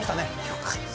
よかった。